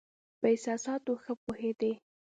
په احساساتو ښه پوهېدی.